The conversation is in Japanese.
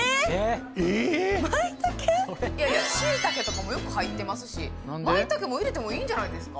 いやいや、シイタケとかもよく入ってますし、マイタケも入れてもいいんじゃないですか？